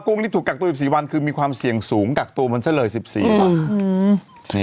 กุ้งนี้ถูกกักตัว๑๔วันคือมีความเสี่ยงสูงกักตัวเหมือนเศรษฐ์เลย๑๔วัน